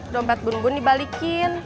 dompet bun bun dibalikin